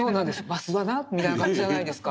「わスはな」みたいな感じじゃないですか。